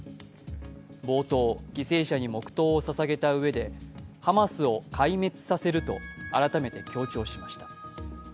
冒頭、犠牲者に黙とうをささげたうえで、ハマスを壊滅させると改めて強調しました。